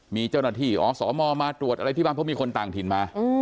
มีเจ้าหน้าที่อสมมาตรวจอะไรที่บ้านเพราะมีคนต่างถิ่นมา